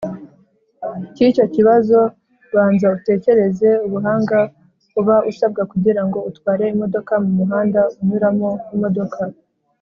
Cy icyo kibazo banza utekereze ubuhanga uba usabwa kugira ngo utware imodoka mu muhanda unyuramo imodoka